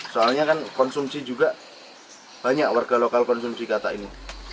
soalnya kan konsumsi juga banyak warga lokal konsumsi kata ini